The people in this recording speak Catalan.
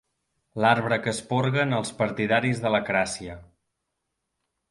L'arbre que esporguen els partidaris de l'acràcia.